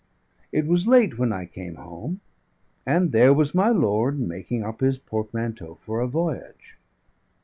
It was late when I came home, and there was my lord making up his portmanteau for a voyage.